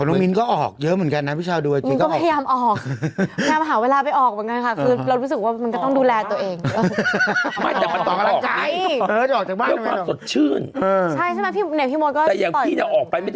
จริงก็ออกเยอะเหมือนกันนะพี่ชาวดูอาจริงก็ออก